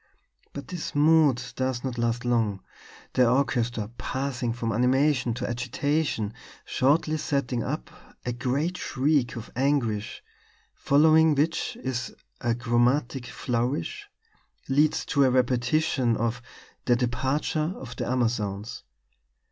But this mood does not last long; the orchestra, passing from animation to agitation, shortly setting up a great shriek of anguish; following which a chromatic flourish leads to a repetition of 'The Departure of the Amazons.'